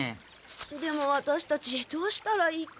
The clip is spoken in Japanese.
でもワタシたちどうしたらいいか。